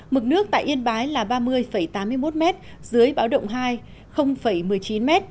mực nước tại yên bái là ba mươi tám mươi một m dưới báo động hai một mươi chín m